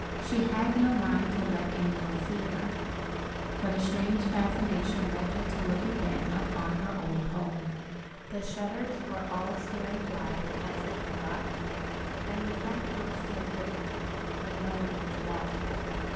She had no mind to let any one see her, but a strange fascination led her to look again upon her old home. The shutters were all staring wide, as if forgotten, and the front door stood open, but no one was about.